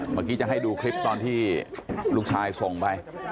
เมื่อกี้จะให้ดูคลิปตอนที่ลูกชายส่งไป